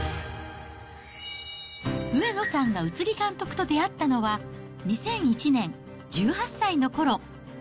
上野さんが宇津木監督と出会ったのは、２００１年、１８歳のころ。